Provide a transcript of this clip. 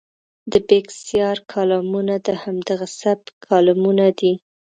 د بېکسیار کالمونه د همدغه سبک کالمونه دي.